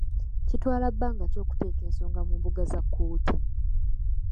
Kitwala bbanga ki okuteeka ensonga mu mbuga za kkooti?